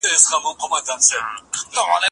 په پایله کې چې عادلانه ویش وي، فقر به ژور نه شي.